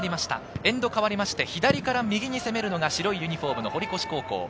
エンド代わりまして、左から右に攻めるのが白いユニホーム堀越高校。